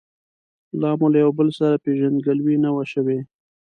لا مو له یو او بل سره پېژندګلوي نه وه شوې.